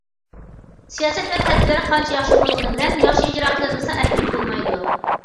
سىياسەت ۋە تەدبىرلەر قانچە ياخشى بولغىنى بىلەن ياخشى ئىجرا قىلىنمىسا ئەھمىيىتى بولمايدۇ.